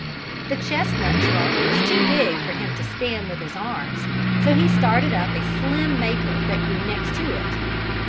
The chestnut trunk was too big for him to span with his arms, so he started up a slim maple that grew next to it.